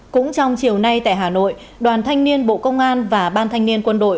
cũng trong chiều nay tại hà nội đoàn thanh niên bộ công an và ban thanh niên quân đội